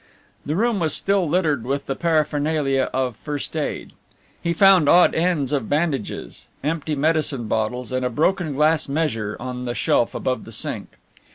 The room was still littered with the paraphernalia of first aid. He found odd ends of bandages, empty medicine bottles and a broken glass measure on the shelf above the sink.